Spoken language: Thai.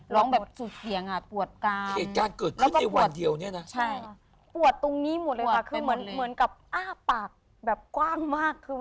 ล้องแบบสุดเสี่ยงอ่ะปวดกราม